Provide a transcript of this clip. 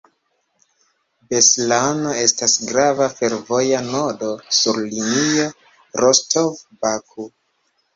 Beslano estas grava fervoja nodo sur linio Rostov—Baku.